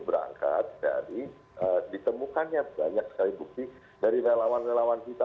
berangkat dari ditemukannya banyak sekali bukti dari relawan relawan kita